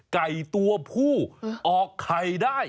ไก่ตัวผู้ออกไข่ได้